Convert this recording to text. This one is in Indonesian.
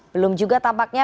belum juga tampaknya